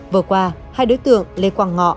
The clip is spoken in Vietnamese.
vừa qua hai đối tượng lê quang ngọ